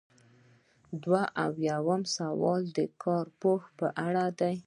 دوه ایاتیام سوال د کارپوه په اړه دی.